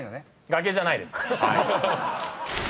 崖じゃないです。